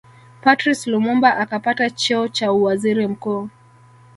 Patrice Lumumba akapata cheo cha uwaziri mkuu